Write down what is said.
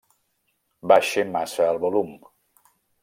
Baixe massa el volum.